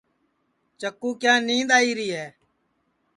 چکُو کیا نید آئی ہے